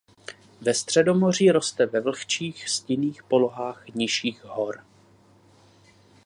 Ve Středomoří roste ve vlhčích stinných polohách nižších hor.